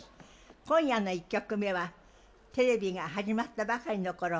今夜の１曲目はテレビが始まったばかりのころ